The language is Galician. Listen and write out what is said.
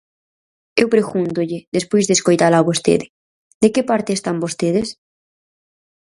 E eu pregúntolle, despois de escoitala a vostede: ¿de que parte están vostedes?